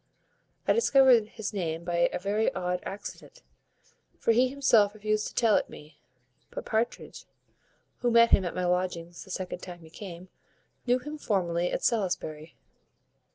I discovered his name by a very odd accident; for he himself refused to tell it me; but Partridge, who met him at my lodgings the second time he came, knew him formerly at Salisbury."